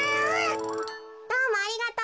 どうもありがとう。